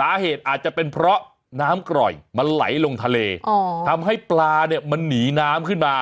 สาเหตุอาจจะเป็นเพราะน้ำกร่อยมันไหลลงทะเลทำให้ปลาเนี่ยมันหนีน้ำขึ้นมา